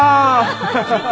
ハハハハ。